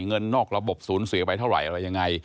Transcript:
เงินนอกระบบสูญเสียไปเท่าไหร่อะไรยังไง